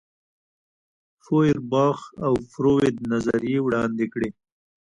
فوئرباخ او فروید نظریې وړاندې کړې.